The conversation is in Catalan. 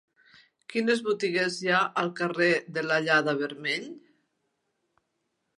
Quines botigues hi ha al carrer de l'Allada-Vermell?